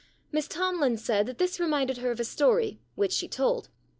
Miss Tomlin said that this reminded her of a story, which she told.